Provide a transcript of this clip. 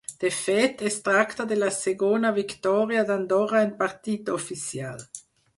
De fet, es tracta de la segona victòria d’Andorra en partit oficial.